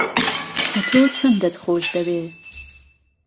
ئهتۆ چهندهت خۆش دهوێ